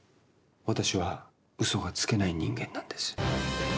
私は嘘がつけない人間なんです。